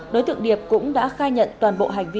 đối tượng điệp cũng đã khai nhận toàn bộ hành vi